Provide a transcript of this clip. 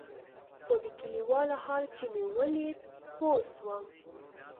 خو د كليوالو حال چې مې ولېد پوه سوم.